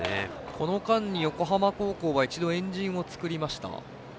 この間に一度、横浜高校はエンジンを作りました。